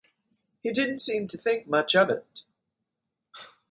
He didn't seem to think much of it.